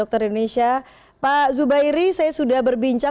karena memang jumlah tes juga menurun